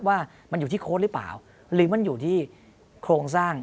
ว่ามันอยู่ที่โค้ดหรือเปล่าหรือมันอยู่ที่โครงสร้าง